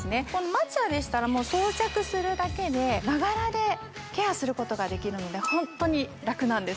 マチュアでしたら装着するだけでながらでケアすることができるので本当にラクなんです